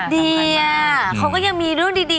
ดีอ่ะเค้ายังมีรูปใด